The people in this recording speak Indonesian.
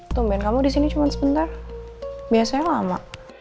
tumben kamu disini cuma sebentar biasanya lama